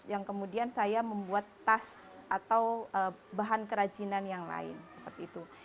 yang kemudian saya membuat tas atau bahan kerajinan yang lain seperti itu